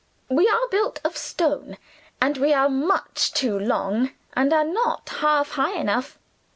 We are built of stone; and we are much too long, and are not half high enough.